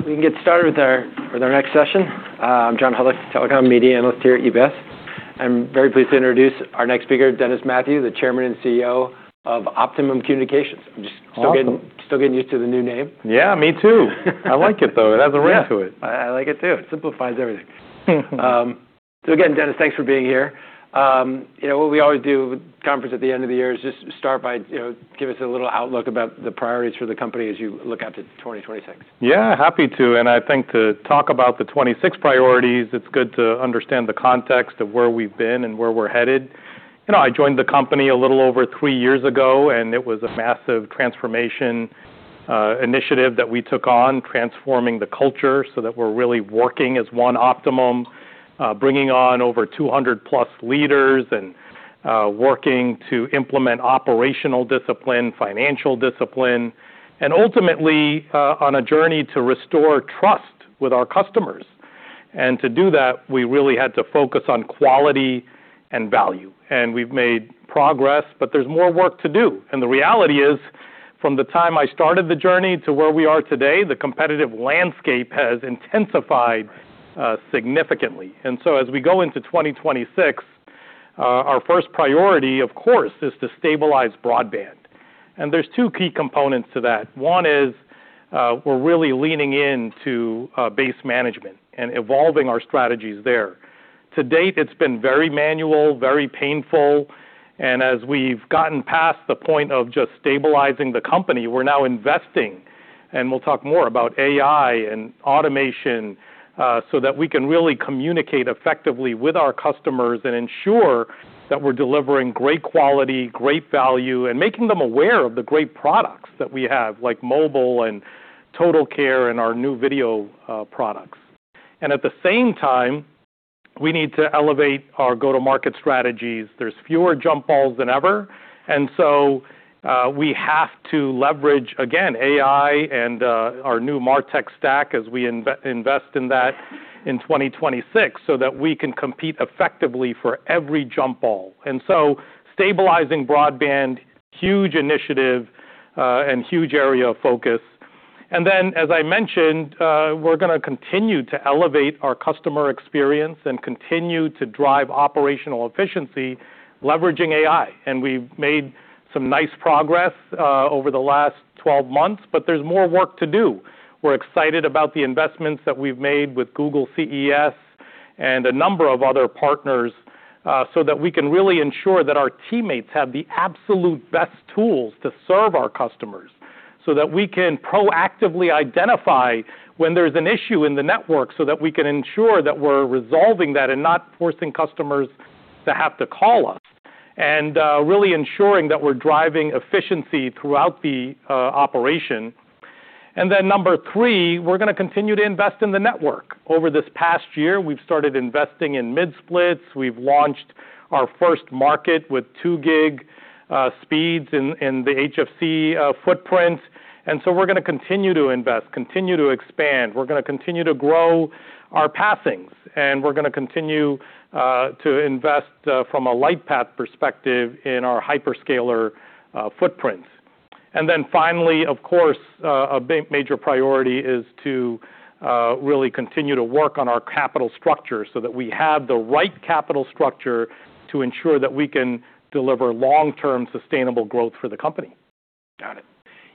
We can get started with our next session. I'm John Hollis, Telecom Media Analyst here at UBS. I'm very pleased to introduce our next speaker, Dennis Mathew, the Chairman and CEO of Optimum Communications. I'm just still getting used to the new name. Yeah, me too. I like it, though. It has a ring to it. Yeah, I like it too. It simplifies everything. So again, Dennis, thanks for being here. What we always do with conference at the end of the year is just start by giving us a little outlook about the priorities for the company as you look at 2026. Yeah, happy to. And I think to talk about the 2026 priorities, it's good to understand the context of where we've been and where we're headed. I joined the company a little over three years ago, and it was a massive transformation initiative that we took on, transforming the culture so that we're really working as one Optimum, bringing on over 200-plus leaders and working to implement operational discipline, financial discipline, and ultimately on a journey to restore trust with our customers. And to do that, we really had to focus on quality and value. And we've made progress, but there's more work to do. And the reality is, from the time I started the journey to where we are today, the competitive landscape has intensified significantly. And so as we go into 2026, our first priority, of course, is to stabilize broadband. And there's two key components to that. One is we're really leaning into base management and evolving our strategies there. To date, it's been very manual, very painful. And as we've gotten past the point of just stabilizing the company, we're now investing, and we'll talk more about AI and automation so that we can really communicate effectively with our customers and ensure that we're delivering great quality, great value, and making them aware of the great products that we have, like mobile and TotalCare and our new video products. And at the same time, we need to elevate our go-to-market strategies. There's fewer jump balls than ever. And so we have to leverage, again, AI and our new MarTech stack as we invest in that in 2026 so that we can compete effectively for every jump ball. And so stabilizing broadband, huge initiative and huge area of focus. Then, as I mentioned, we're going to continue to elevate our customer experience and continue to drive operational efficiency leveraging AI. We've made some nice progress over the last 12 months, but there's more work to do. We're excited about the investments that we've made with Google Cloud and a number of other partners so that we can really ensure that our teammates have the absolute best tools to serve our customers so that we can proactively identify when there's an issue in the network so that we can ensure that we're resolving that and not forcing customers to have to call us and really ensuring that we're driving efficiency throughout the operation. Then number three, we're going to continue to invest in the network. Over this past year, we've started investing in mid-splits. We've launched our first market with two gig speeds in the HFC footprint. And so we're going to continue to invest, continue to expand. We're going to continue to grow our passings, and we're going to continue to invest from a Lightpath perspective in our hyperscaler footprints. And then finally, of course, a major priority is to really continue to work on our capital structure so that we have the right capital structure to ensure that we can deliver long-term sustainable growth for the company. Got it.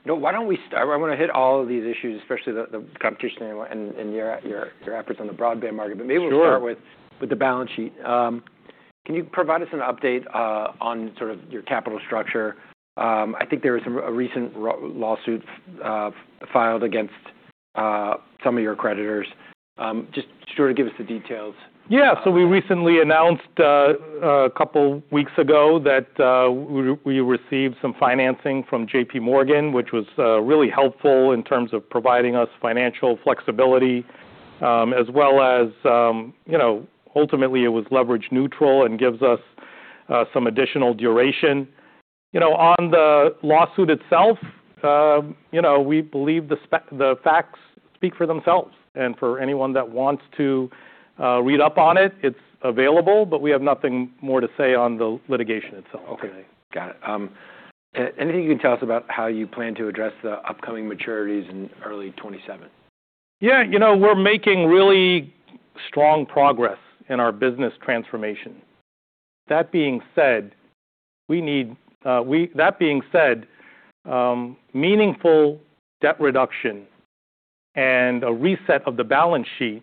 Why don't we start? I want to hit all of these issues, especially the competition and your efforts on the broadband market, but maybe we'll start with the balance sheet. Can you provide us an update on your capital structure? I think there was a recent lawsuit filed against some of your creditors. Just sort of give us the details. Yeah. So we recently announced a couple of weeks ago that we received some financing from JPMorgan, which was really helpful in terms of providing us financial flexibility, as well as ultimately it was leverage neutral and gives us some additional duration. On the lawsuit itself, we believe the facts speak for themselves. And for anyone that wants to read up on it, it's available, but we have nothing more to say on the litigation itself. Okay. Got it. Anything you can tell us about how you plan to address the upcoming maturities in early 2027? Yeah. You know, we're making really strong progress in our business transformation. That being said, meaningful debt reduction and a reset of the balance sheet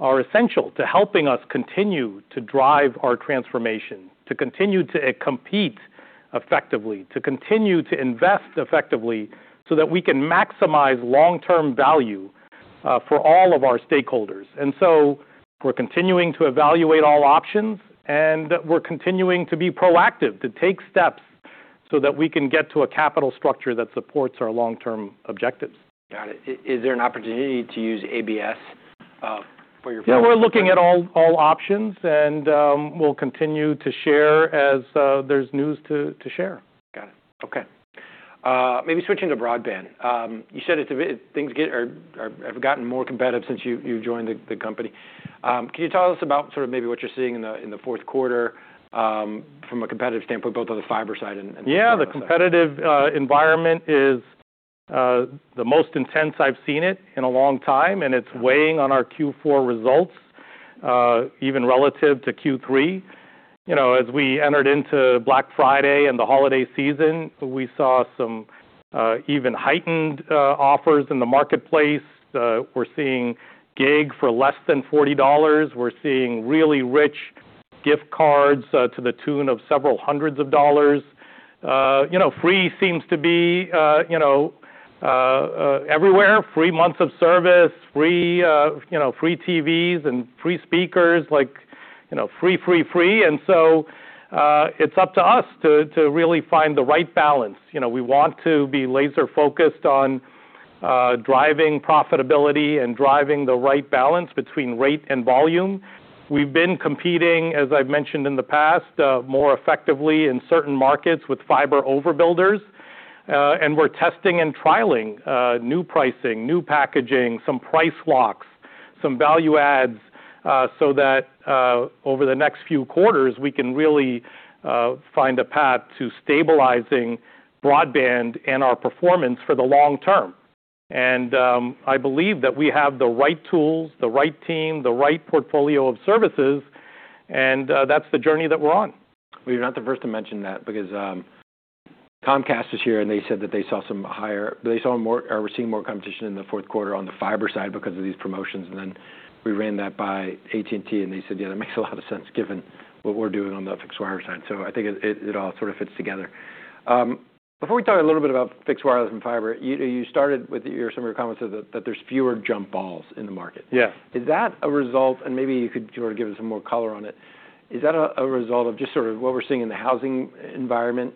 are essential to helping us continue to drive our transformation, to continue to compete effectively, to continue to invest effectively so that we can maximize long-term value for all of our stakeholders. And so we're continuing to evaluate all options, and we're continuing to be proactive to take steps so that we can get to a capital structure that supports our long-term objectives. Got it. Is there an opportunity to use ABS for your funding? Yeah. We're looking at all options, and we'll continue to share as there's news to share. Got it. Okay. Maybe switching to broadband. You said things have gotten more competitive since you joined the company. Can you tell us about maybe what you're seeing in the fourth quarter from a competitive standpoint, both on the fiber side and the competition? Yeah. The competitive environment is the most intense I've seen it in a long time, and it's weighing on our Q4 results, even relative to Q3. As we entered into Black Friday and the holiday season, we saw some even heightened offers in the marketplace. We're seeing gig for less than $40. We're seeing really rich gift cards to the tune of several hundreds of dollars. Free seems to be everywhere. Free months of service, free TVs and free speakers, like free, free, free. And so it's up to us to really find the right balance. We want to be laser-focused on driving profitability and driving the right balance between rate and volume. We've been competing, as I've mentioned in the past, more effectively in certain markets with fiber overbuilders. And we're testing and trialing new pricing, new packaging, some price locks, some value adds so that over the next few quarters, we can really find a path to stabilizing broadband and our performance for the long term. And I believe that we have the right tools, the right team, the right portfolio of services, and that's the journey that we're on. You're not the first to mention that because Comcast is here, and they said that they were seeing more competition in the fourth quarter on the fiber side because of these promotions. Then we ran that by AT&T, and they said, "Yeah, that makes a lot of sense given what we're doing on the fixed wireless side." I think it all sort of fits together. Before we talk a little bit about fixed wireless and fiber, you started with some of your comments that there's fewer jump balls in the market. Yes. Is that a result, and maybe you could sort of give us some more color on it? Is that a result of just sort of what we're seeing in the housing environment,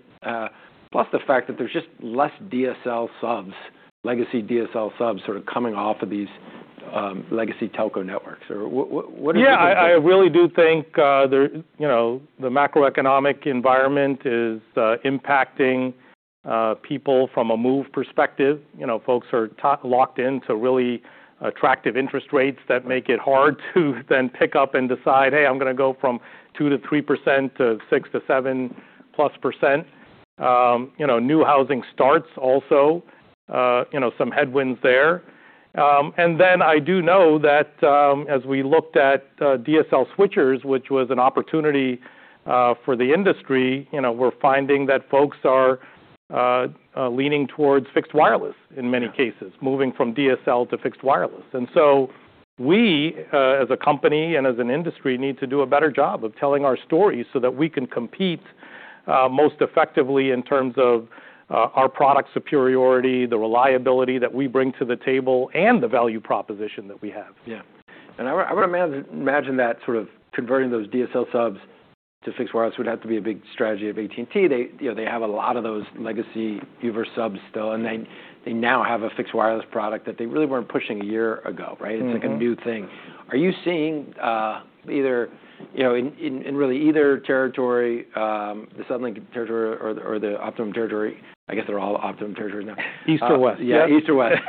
plus the fact that there's just less DSL subs, legacy DSL subs sort of coming off of these legacy telco networks? Or what are you thinking? Yeah. I really do think the macroeconomic environment is impacting people from a move perspective. Folks are locked into really attractive interest rates that make it hard to then pick up and decide, "Hey, I'm going to go from 2%-3% to 6%-7% plus %." New housing starts also some headwinds there. And then I do know that as we looked at DSL switchers, which was an opportunity for the industry, we're finding that folks are leaning towards fixed wireless in many cases, moving from DSL to fixed wireless. And so we, as a company and as an industry, need to do a better job of telling our stories so that we can compete most effectively in terms of our product superiority, the reliability that we bring to the table, and the value proposition that we have. Yeah. And I would imagine that sort of converting those DSL subs to fixed wireless would have to be a big strategy of AT&T. They have a lot of those legacy U-verse subs still, and they now have a fixed wireless product that they really weren't pushing a year ago, right? It's like a new thing. Are you seeing either in really either territory, the Suddenlink territory or the Optimum territory? I guess they're all Optimum territories now. East or West. Yeah, East or West.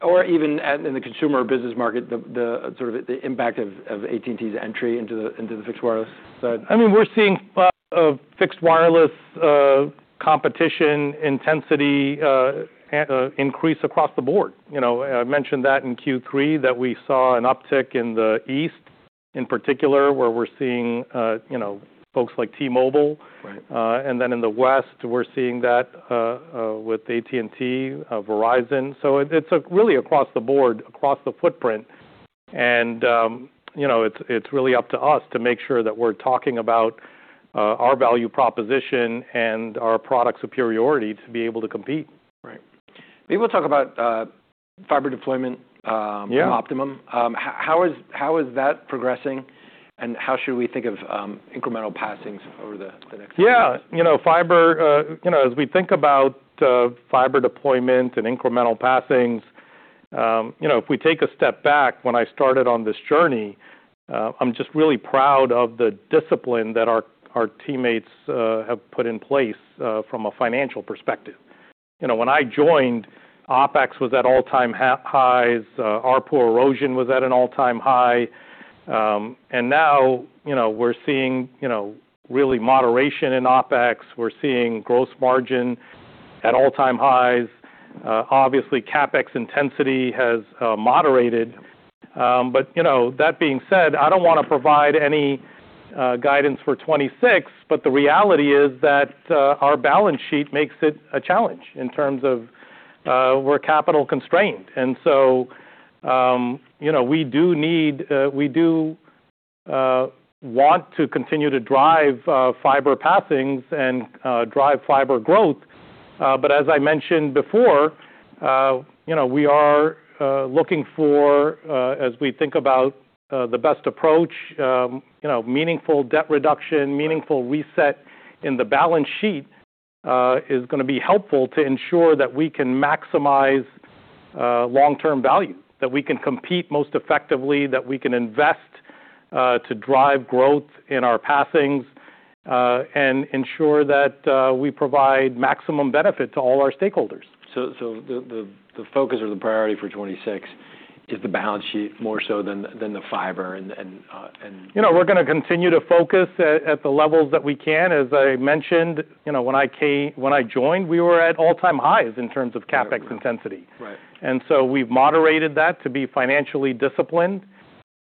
Or even in the consumer business market, the sort of impact of AT&T's entry into the fixed wireless side? I mean, we're seeing fixed wireless competition intensity increase across the board. I mentioned that in Q3 that we saw an uptick in the East in particular, where we're seeing folks like T-Mobile, and then in the West, we're seeing that with AT&T, Verizon, so it's really across the board, across the footprint, and it's really up to us to make sure that we're talking about our value proposition and our product superiority to be able to compete. Right. Maybe we'll talk about fiber deployment in Optimum. How is that progressing, and how should we think of incremental passings over the next few years? Yeah. As we think about fiber deployment and incremental passings, if we take a step back, when I started on this journey, I'm just really proud of the discipline that our teammates have put in place from a financial perspective. When I joined, OPEX was at all-time highs. Our promo erosion was at an all-time high. And now we're seeing really moderation in OPEX. We're seeing gross margin at all-time highs. Obviously, CAPEX intensity has moderated. But that being said, I don't want to provide any guidance for 2026, but the reality is that our balance sheet makes it a challenge in terms of we're capital constrained. And so we do need we do want to continue to drive fiber passings and drive fiber growth. But as I mentioned before, we are looking for, as we think about the best approach, meaningful debt reduction, meaningful reset in the balance sheet is going to be helpful to ensure that we can maximize long-term value, that we can compete most effectively, that we can invest to drive growth in our passings and ensure that we provide maximum benefit to all our stakeholders. So the focus or the priority for 2026 is the balance sheet more so than the fiber and. We're going to continue to focus at the levels that we can. As I mentioned, when I joined, we were at all-time highs in terms of CAPEX intensity. And so we've moderated that to be financially disciplined.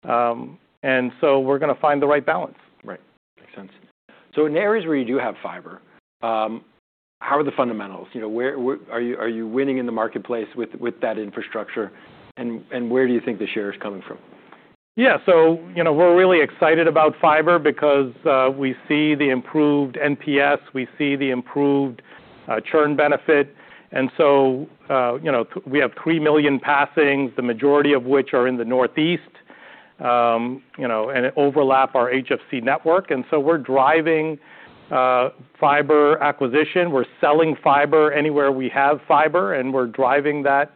And so we're going to find the right balance. Right. Makes sense. So in areas where you do have fiber, how are the fundamentals? Are you winning in the marketplace with that infrastructure, and where do you think the share is coming from? Yeah. So we're really excited about fiber because we see the improved NPS. We see the improved churn benefit, and so we have three million passings, the majority of which are in the Northeast, and overlap our HFC network, and so we're driving fiber acquisition. We're selling fiber anywhere we have fiber, and we're driving that,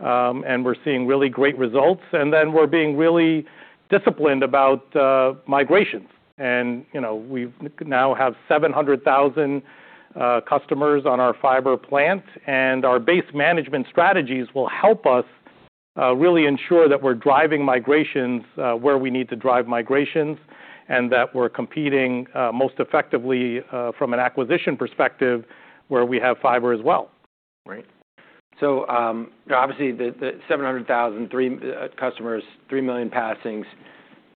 and we're seeing really great results, and then we're being really disciplined about migrations, and we now have 700,000 customers on our fiber plant, and our base management strategies will help us really ensure that we're driving migrations where we need to drive migrations and that we're competing most effectively from an acquisition perspective where we have fiber as well. Right. So obviously, the 700,000 to 3 million customers, 3 million passings.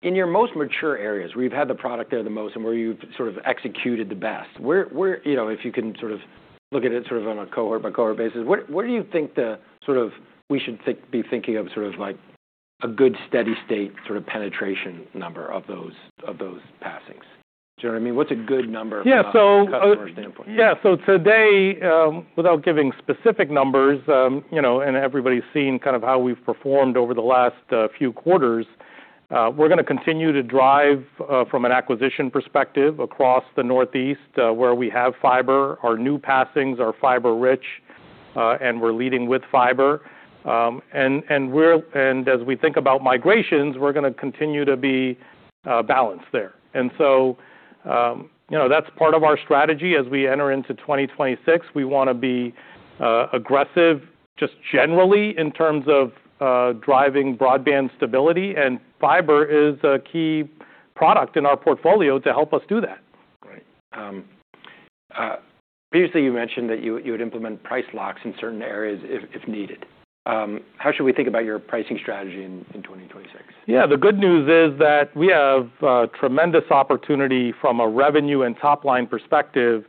In your most mature areas, where you've had the product there the most and where you've sort of executed the best, if you can sort of look at it sort of on a cohort-by-cohort basis, what do you think the sort of we should be thinking of sort of like a good steady-state sort of penetration number of those passings? Do you know what I mean? What's a good number from a customer standpoint? Yeah. So today, without giving specific numbers, and everybody's seen kind of how we've performed over the last few quarters, we're going to continue to drive from an acquisition perspective across the Northeast where we have fiber, our new passings, our fiber-rich, and we're leading with fiber. And as we think about migrations, we're going to continue to be balanced there. And so that's part of our strategy as we enter into 2026. We want to be aggressive just generally in terms of driving broadband stability, and fiber is a key product in our portfolio to help us do that. Right. Previously, you mentioned that you would implement price locks in certain areas if needed. How should we think about your pricing strategy in 2026? Yeah. The good news is that we have tremendous opportunity from a revenue and top-line perspective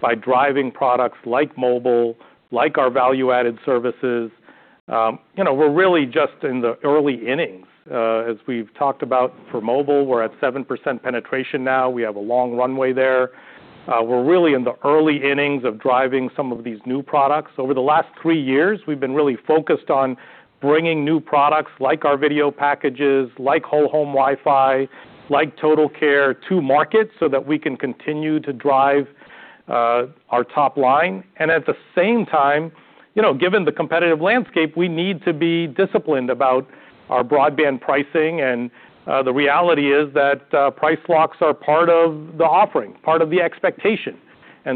by driving products like Mobile, like our value-added services. We're really just in the early innings. As we've talked about for Mobile, we're at 7% penetration now. We have a long runway there. We're really in the early innings of driving some of these new products. Over the last three years, we've been really focused on bringing new products like our video packages, like Whole Home Wi-Fi, like TotalCare to market so that we can continue to drive our top line. And at the same time, given the competitive landscape, we need to be disciplined about our broadband pricing. And the reality is that price locks are part of the offering, part of the expectation.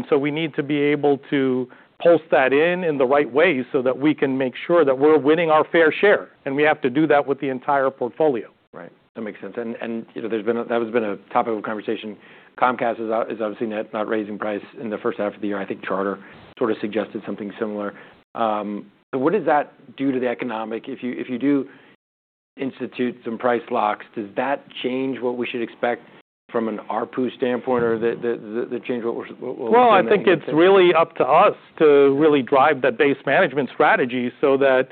So we need to be able to post that in the right way so that we can make sure that we're winning our fair share. We have to do that with the entire portfolio. Right. That makes sense. And that has been a topic of conversation. Comcast is obviously not raising price in the first half of the year. I think Charter sort of suggested something similar. But what does that do to the economic? If you do institute some price locks, does that change what we should expect from an ARPU standpoint or change what we're looking for? I think it's really up to us to really drive that base management strategy so that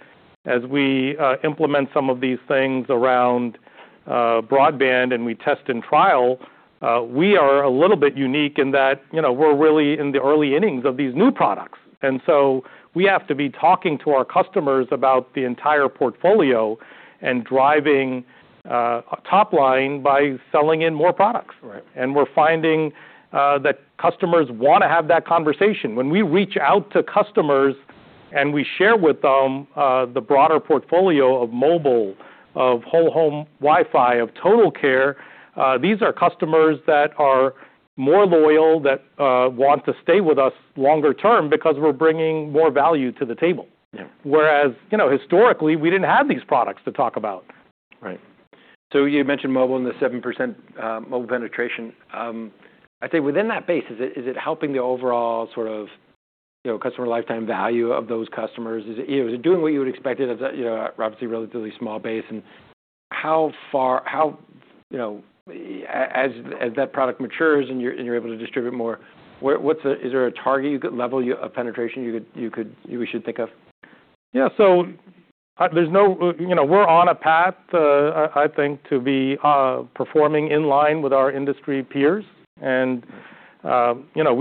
as we implement some of these things around broadband and we test and trial, we are a little bit unique in that we're really in the early innings of these new products. We have to be talking to our customers about the entire portfolio and driving top line by selling in more products. We're finding that customers want to have that conversation. When we reach out to customers and we share with them the broader portfolio of Mobile, of Whole Home Wi-Fi, of TotalCare, these are customers that are more loyal, that want to stay with us longer term because we're bringing more value to the table. Whereas historically, we didn't have these products to talk about. Right. So you mentioned Mobile and the 7% Mobile penetration. I'd say within that base, is it helping the overall sort of customer lifetime value of those customers? Is it doing what you would expect? It's obviously a relatively small base. And as that product matures and you're able to distribute more, is there a target level of penetration we should think of? Yeah. So we're on a path, I think, to be performing in line with our industry peers. And we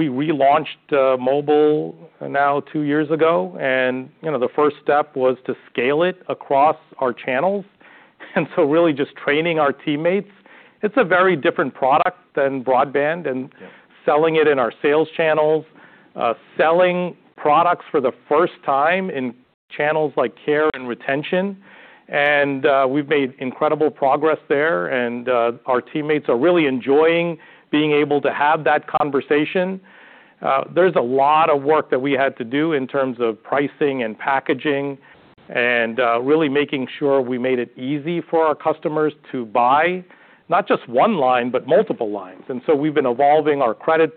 relaunched Mobile now two years ago, and the first step was to scale it across our channels. And so really just training our teammates. It's a very different product than broadband and selling it in our sales channels, selling products for the first time in channels like care and retention. And we've made incredible progress there, and our teammates are really enjoying being able to have that conversation. There's a lot of work that we had to do in terms of pricing and packaging and really making sure we made it easy for our customers to buy, not just one line, but multiple lines. And so we've been evolving our credit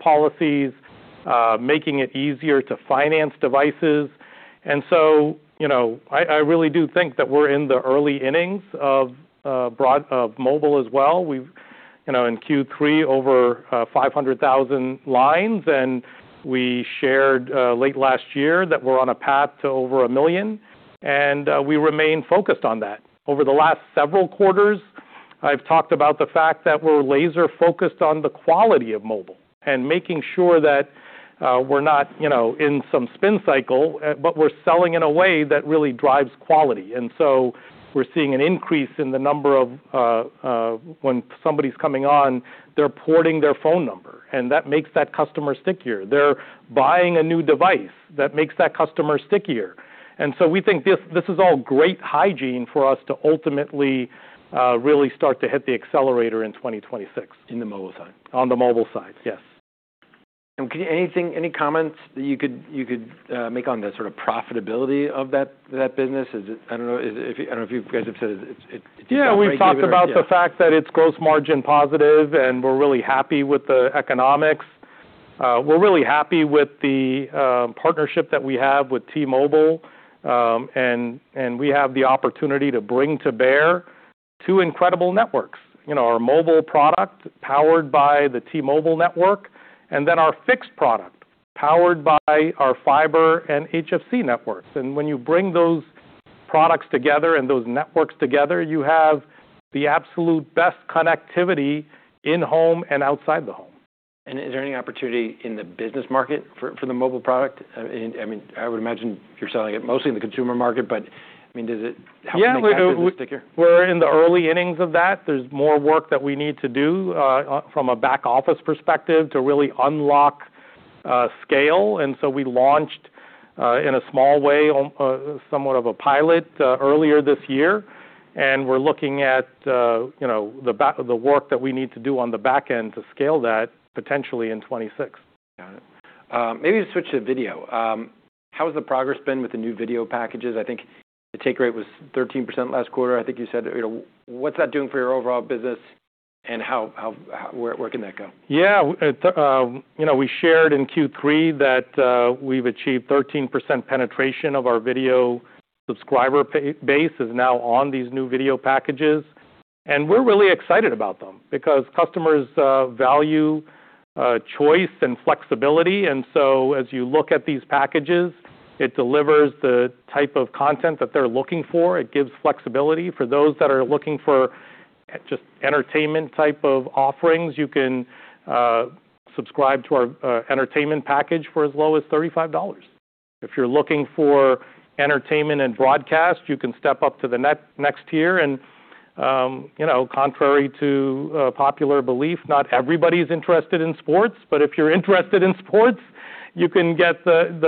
policies, making it easier to finance devices. And so I really do think that we're in the early innings of Mobile as well. In Q3, over 500,000 lines, and we shared late last year that we're on a path to over a million. And we remain focused on that. Over the last several quarters, I've talked about the fact that we're laser-focused on the quality of Mobile and making sure that we're not in some spin cycle, but we're selling in a way that really drives quality. And so we're seeing an increase in the number of when somebody's coming on, they're porting their phone number, and that makes that customer stickier. They're buying a new device that makes that customer stickier. And so we think this is all great hygiene for us to ultimately really start to hit the accelerator in 2026. In the Mobile side. On the Mobile side, yes. Any comments that you could make on the sort of profitability of that business? I don't know if you guys have said it's a decent business. Yeah. We've talked about the fact that it's gross margin positive, and we're really happy with the economics. We're really happy with the partnership that we have with T-Mobile, and we have the opportunity to bring to bear two incredible networks: our Mobile product powered by the T-Mobile network, and then our fixed product powered by our fiber and HFC networks, and when you bring those products together and those networks together, you have the absolute best connectivity in home and outside the home. Is there any opportunity in the business market for the Mobile product? I mean, I would imagine you're selling it mostly in the consumer market, but I mean, does it help to make it a little bit stickier? Yeah. We're in the early innings of that. There's more work that we need to do from a back-office perspective to really unlock scale. And so we launched in a small way, somewhat of a pilot earlier this year, and we're looking at the work that we need to do on the back end to scale that potentially in 2026. Got it. Maybe to switch to video, how has the progress been with the new video packages? I think the take rate was 13% last quarter, I think you said. What's that doing for your overall business, and where can that go? Yeah. We shared in Q3 that we've achieved 13% penetration of our video subscriber base is now on these new video packages. And we're really excited about them because customers value choice and flexibility. And so as you look at these packages, it delivers the type of content that they're looking for. It gives flexibility. For those that are looking for just entertainment type of offerings, you can subscribe to our entertainment package for as low as $35. If you're looking for entertainment and broadcast, you can step up to the next tier. And contrary to popular belief, not everybody's interested in sports, but if you're interested in sports, you can get the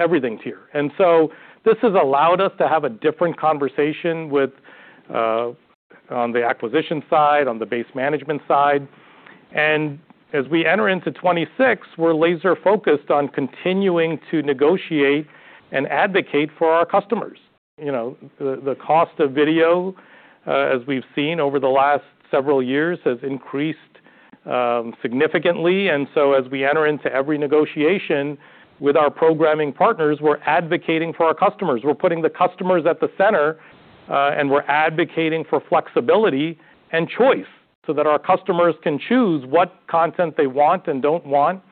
everything tier. And so this has allowed us to have a different conversation on the acquisition side, on the base management side. As we enter into 2026, we're laser-focused on continuing to negotiate and advocate for our customers. The cost of video, as we've seen over the last several years, has increased significantly. So as we enter into every negotiation with our programming partners, we're advocating for our customers. We're putting the customers at the center, and we're advocating for flexibility and choice so that our customers can choose what content they want and don't want.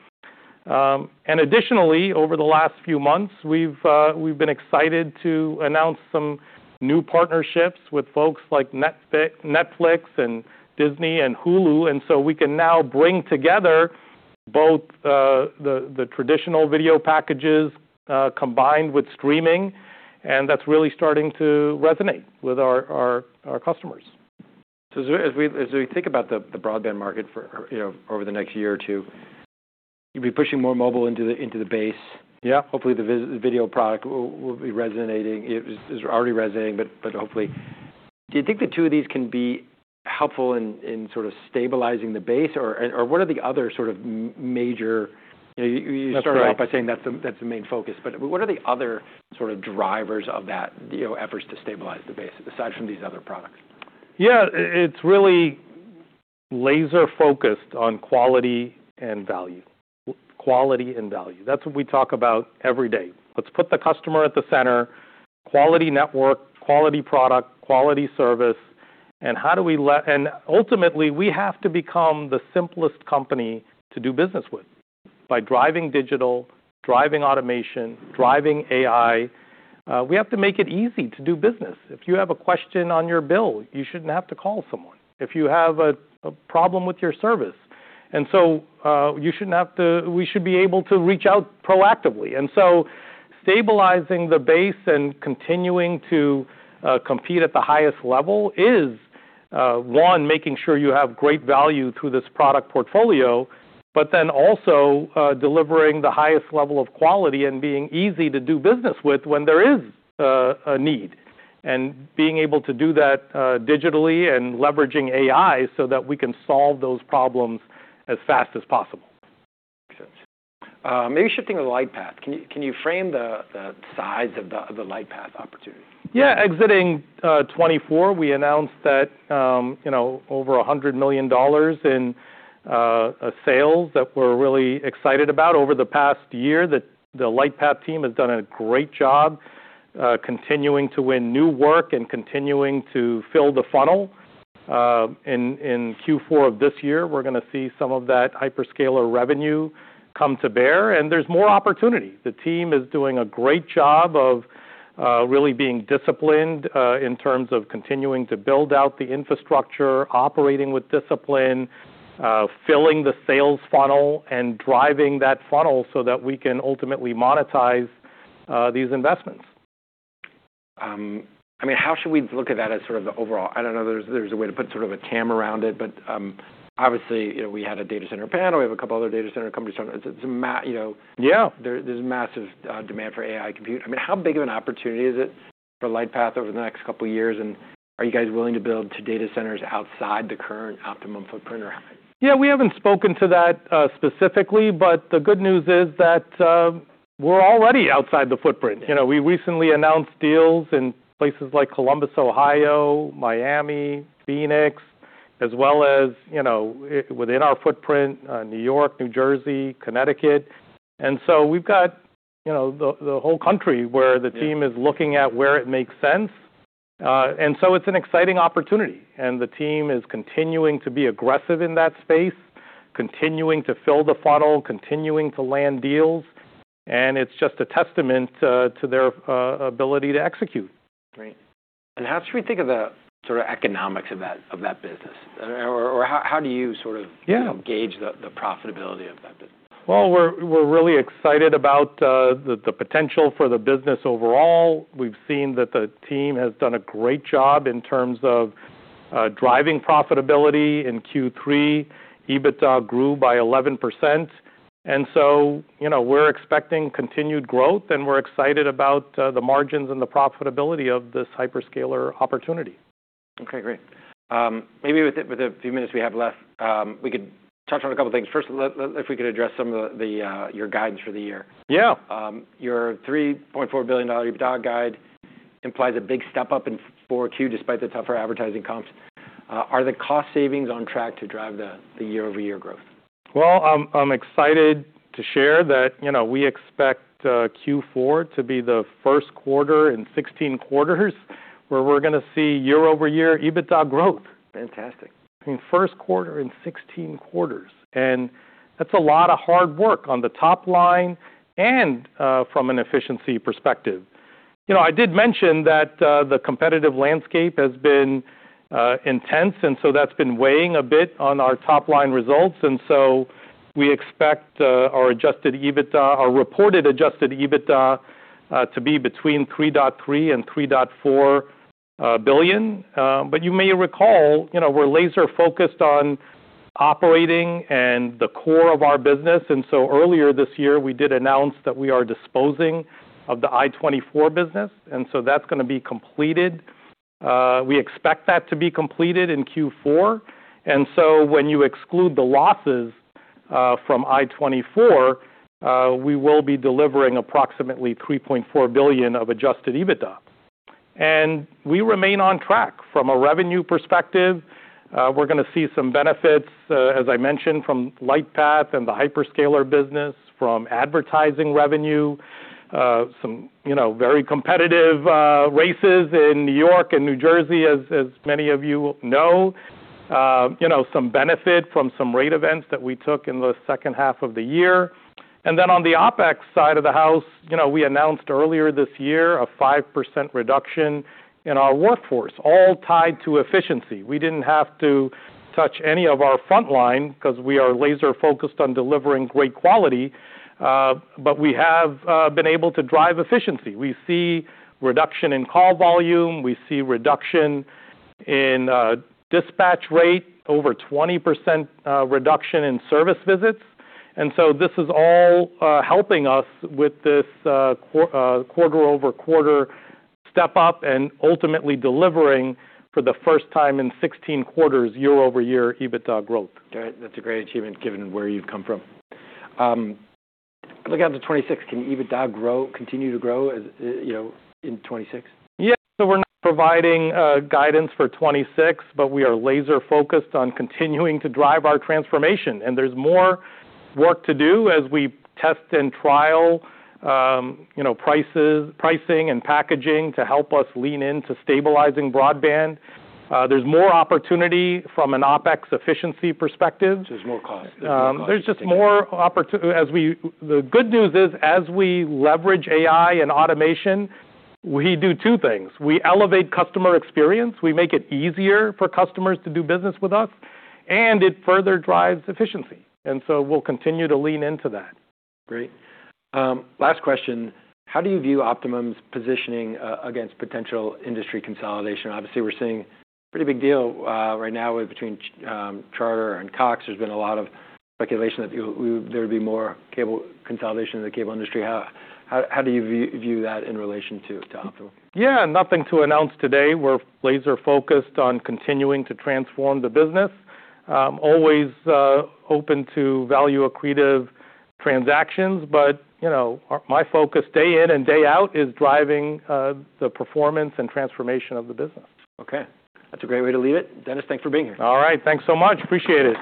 Additionally, over the last few months, we've been excited to announce some new partnerships with folks like Netflix and Disney and Hulu. So we can now bring together both the traditional video packages combined with streaming, and that's really starting to resonate with our customers. So as we think about the broadband market over the next year or two, you'll be pushing more Mobile into the base. Yeah. Hopefully, the video product will be resonating. It's already resonating, but hopefully. Do you think the two of these can be helpful in sort of stabilizing the base? Or what are the other sort of major? You started off by saying that's the main focus, but what are the other sort of drivers of that efforts to stabilize the base aside from these other products? Yeah. It's really laser-focused on quality and value. Quality and value. That's what we talk about every day. Let's put the customer at the center: quality network, quality product, quality service. And how do we let? And ultimately, we have to become the simplest company to do business with by driving digital, driving automation, driving AI. We have to make it easy to do business. If you have a question on your bill, you shouldn't have to call someone. If you have a problem with your service, and so you shouldn't have to, we should be able to reach out proactively. Stabilizing the base and continuing to compete at the highest level is, one, making sure you have great value through this product portfolio, but then also delivering the highest level of quality and being easy to do business with when there is a need and being able to do that digitally and leveraging AI so that we can solve those problems as fast as possible. Makes sense. Maybe shifting to the Lightpath. Can you frame the size of the Lightpath opportunity? Yeah. Exiting 2024, we announced that over $100 million in sales that we're really excited about over the past year. The Lightpath team has done a great job continuing to win new work and continuing to fill the funnel. In Q4 of this year, we're going to see some of that hyperscaler revenue come to bear, and there's more opportunity. The team is doing a great job of really being disciplined in terms of continuing to build out the infrastructure, operating with discipline, filling the sales funnel, and driving that funnel so that we can ultimately monetize these investments. I mean, how should we look at that as sort of the overall? I don't know if there's a way to put sort of a TAM around it, but obviously, we had a data center panel. We have a couple of other data center companies. There's massive demand for AI compute. I mean, how big of an opportunity is it for Lightpath over the next couple of years? And are you guys willing to build to data centers outside the current Optimum footprint? Yeah. We haven't spoken to that specifically, but the good news is that we're already outside the footprint. We recently announced deals in places like Columbus, Ohio, Miami, Phoenix, as well as within our footprint, New York, New Jersey, Connecticut. And so we've got the whole country where the team is looking at where it makes sense. And so it's an exciting opportunity. And the team is continuing to be aggressive in that space, continuing to fill the funnel, continuing to land deals. And it's just a testament to their ability to execute. Great. And how should we think of the sort of economics of that business? Or how do you sort of gauge the profitability of that business? We're really excited about the potential for the business overall. We've seen that the team has done a great job in terms of driving profitability in Q3. EBITDA grew by 11%. So we're expecting continued growth, and we're excited about the margins and the profitability of this hyperscaler opportunity. Okay. Great. Maybe with the few minutes we have left, we could touch on a couple of things. First, if we could address some of your guidance for the year. Yeah. Your $3.4 billion EBITDA guide implies a big step up in Q4 despite the tougher advertising comps. Are the cost savings on track to drive the year-over-year growth? I'm excited to share that we expect Q4 to be the first quarter in 16 quarters where we're going to see year-over-year EBITDA growth. Fantastic. I mean, first quarter in 16 quarters, and that's a lot of hard work on the top line and from an efficiency perspective. I did mention that the competitive landscape has been intense, and so that's been weighing a bit on our top line results, and so we expect our reported adjusted EBITDA to be between $3.3 and $3.4 billion. But you may recall we're laser-focused on operating and the core of our business, and so earlier this year, we did announce that we are disposing of the i24NEWS business, and so that's going to be completed. We expect that to be completed in Q4, and so when you exclude the losses from i24NEWS, we will be delivering approximately $3.4 billion of adjusted EBITDA, and we remain on track from a revenue perspective. We're going to see some benefits, as I mentioned, from Lightpath and the hyperscaler business, from advertising revenue, some very competitive races in New York and New Jersey, as many of you know, some benefit from some rate events that we took in the second half of the year, and then on the OPEX side of the house, we announced earlier this year a 5% reduction in our workforce, all tied to efficiency. We didn't have to touch any of our front line because we are laser-focused on delivering great quality, but we have been able to drive efficiency. We see reduction in call volume. We see reduction in dispatch rate, over 20% reduction in service visits, and so this is all helping us with this quarter-over-quarter step up and ultimately delivering for the first time in 16 quarters year-over-year EBITDA growth. That's a great achievement given where you've come from. Looking out to 2026, can EBITDA continue to grow in 2026? Yes, so we're not providing guidance for 2026, but we are laser-focused on continuing to drive our transformation, and there's more work to do as we test and trial pricing and packaging to help us lean into stabilizing broadband. There's more opportunity from an OPEX efficiency perspective. There's more cost. There's just more opportunity. The good news is, as we leverage AI and automation, we do two things. We elevate customer experience. We make it easier for customers to do business with us, and it further drives efficiency. And so we'll continue to lean into that. Great. Last question. How do you view Optimum's positioning against potential industry consolidation? Obviously, we're seeing a pretty big deal right now between Charter and Cox. There's been a lot of speculation that there would be more cable consolidation in the cable industry. How do you view that in relation to Optimum? Yeah. Nothing to announce today. We're laser-focused on continuing to transform the business. Always open to value accretive transactions, but my focus day in and day out is driving the performance and transformation of the business. Okay. That's a great way to leave it. Dennis, thanks for being here. All right. Thanks so much. Appreciate it.